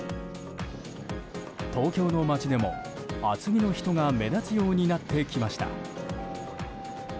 東京の街でも厚着の人が目立つようになってきました。